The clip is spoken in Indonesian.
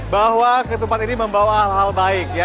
bahwa ketupat ini membawa hal hal baik ya